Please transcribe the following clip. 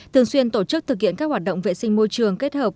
thường xuyên tổ chức thực hiện các hoạt động vệ sinh môi trường kết hợp